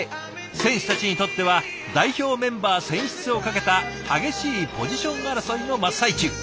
選手たちにとっては代表メンバー選出をかけた激しいポジション争いの真っ最中。